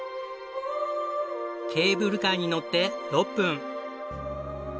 ケーブルカーに乗って６分。